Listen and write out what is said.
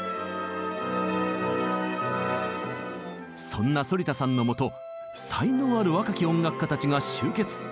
そんな反田さんのもと才能ある若き音楽家たちが集結。